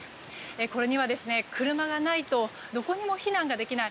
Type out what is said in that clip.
これには、車がないとどこにも避難ができない。